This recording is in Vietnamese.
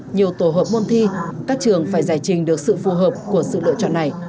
nhiều tổ hợp môn thi các trường phải giải trình được sự phù hợp của sự lựa chọn này